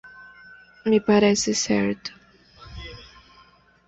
Me parece certo.